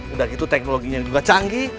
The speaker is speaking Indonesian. udah gitu teknologinya juga canggih